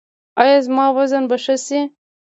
ایا زما وزن به ښه شي؟